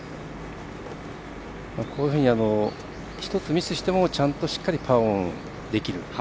こういうふうに１つミスしてもちゃんとしっかりパーオンできる。